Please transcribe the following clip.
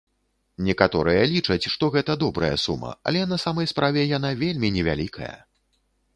Некаторыя лічаць, што гэта добрая сума, але на самай справе яна вельмі невялікая.